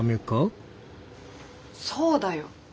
そうだよ。